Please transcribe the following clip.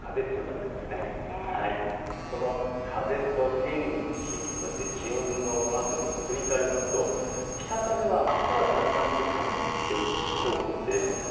その風と天気、そして、気温のこのあとの移り変わり、北風、あすはだんだん収まってきそうです。